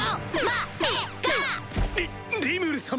リリムル様！